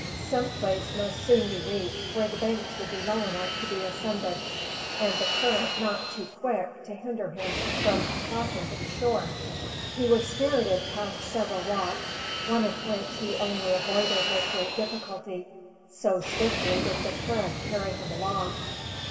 Some place must soon be reached where the banks would be low enough to be ascended, and the current not too quick to hinder him from crossing to the shore. He was spirited past several rocks, one of which he only avoided with great difficulty, so swiftly did the current carry him along.